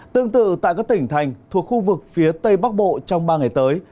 tương tự tại các tỉnh thành thuộc khu vực phía tây bắc bộ trong ba ngày tới